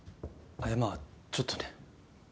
まあちょっとね。